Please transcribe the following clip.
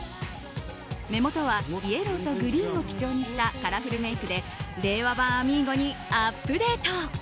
目元はイエローとグリーンを基調にしたカラフルメイクで令和版あみーゴにアップデート。